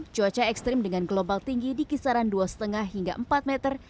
cuaca ekstrim dengan gelombang tinggi di kisaran dua lima hingga empat meter